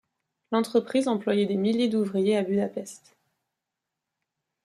L'entreprise employait des milliers d'ouvriers à Budapest.